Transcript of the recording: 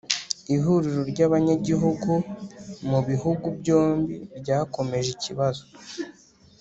Ihuriro ryAbanyagihugu mu bihugu byombi ryakomeje ikibazo